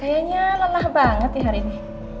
kayaknya lelah banget ya hari ini